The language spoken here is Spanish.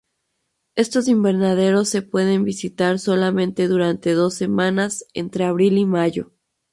Estos invernaderos se pueden visitar solamente durante dos semanas entre abril y mayo.